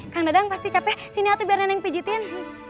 kang dadang pasti capek sini atuh biar nenek pijitin